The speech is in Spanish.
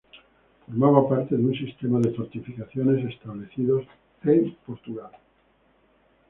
Formaba parte de un sistema de fortificaciones establecidas por Portugal.